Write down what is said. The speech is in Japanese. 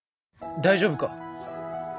大丈夫か？